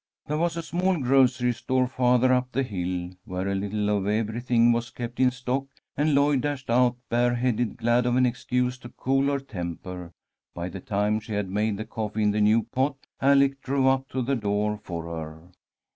There was a small grocery store farther up the hill, where a little of everything was kept in stock, and Lloyd dashed out bareheaded, glad of an excuse to cool her temper. By the time she had made the coffee in the new pot, Alec drove up to the door for her.